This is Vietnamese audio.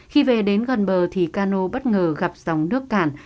khi về đến gần bờ thì cano bất ngờ gặp dòng nước cản